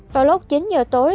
vào lúc chín h tối